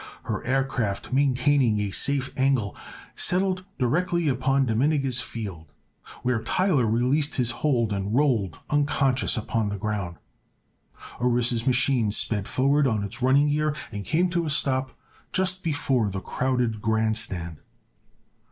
Her aircraft, maintaining a safe angle, settled directly upon Dominguez Field, where Tyler released his hold and rolled unconscious upon the ground. Orissa's machine sped forward on its running gear and came to a stop just before the crowded grand stand.